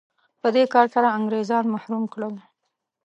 په دې کار سره انګرېزان محروم کړل.